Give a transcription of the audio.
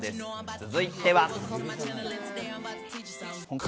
続いては。